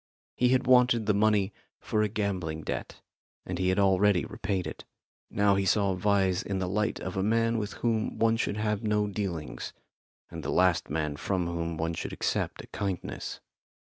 He had wanted the money for a gambling debt, and he had already repaid it. Now he saw Vyse in the light of a man with whom one should have no dealings, and the last man from whom one should accept a kindness.